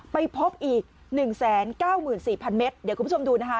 ไปพบอีก๑๙๔๐๐เมตรเดี๋ยวคุณผู้ชมดูนะคะ